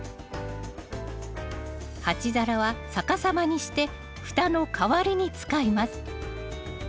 鉢皿は逆さまにして蓋の代わりに使います。